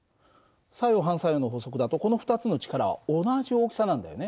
作用・反作用の法則だとこの２つの力は同じ大きさなんだよね。